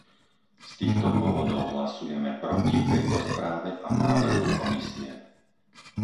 Z týchto dôvodov, hlasujeme proti tejto správe a návrhu Komisie.